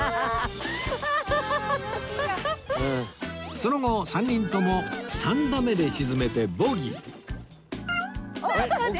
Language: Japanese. その後３人とも３打目で沈めてボギーあーっ待って！